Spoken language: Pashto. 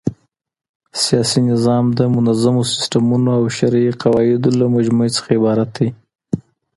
سیاسي نظام د منظمو سيسټمو او شرعي قواعدو له مجموعې څخه عبارت دئ.